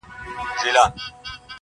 چي پر ځان یې د مرګي د ښکاري وار سو -